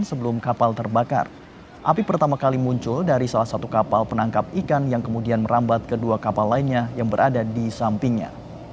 sebelum kapal terbakar api pertama kali muncul dari salah satu kapal penangkap ikan yang kemudian merambat kedua kapal lainnya yang berada di sampingnya